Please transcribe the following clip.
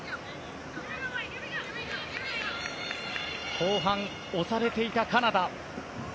後半押されていたカナダ。